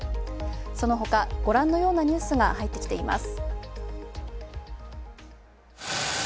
そのほか、ご覧のようなニュースが入ってきています。